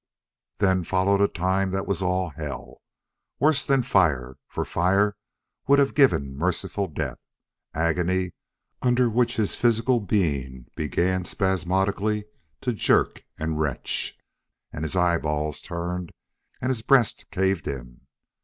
Then followed a time that was hell worse than fire, for fire would have given merciful death agony under which his physical being began spasmodically to jerk and retch and his eyeballs turned and his breast caved in.